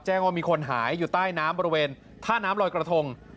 ว่ามีคนหายอยู่ใต้น้ำบริเวณท่าน้ำลอยกระทง